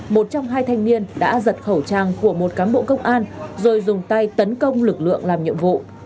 một trong hai thanh niên đã giật khẩu trang của một cán bộ công an rồi dùng tay tấn công lực lượng làm nhiệm vụ